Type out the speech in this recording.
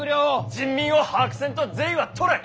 人民を把握せんと税は取れん。